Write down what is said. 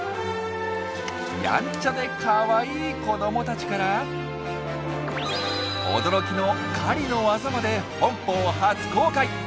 やんちゃでかわいい子どもたちから驚きの狩りの技まで本邦初公開！